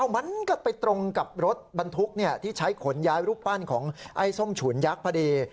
มันก็ไปตรงกับรถบรรทุกที่ใช้ขนย้ายรูปปั้นของไอ้ส้มฉุนยักษ์พอดี